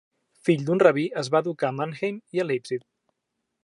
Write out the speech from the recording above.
Fill d'un rabí, es va educar a Mannheim i a Leipzig.